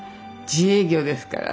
自営業ですから。